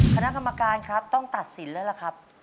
คณะกรรมการครับต้องตัดสินแล้วล่ะครับ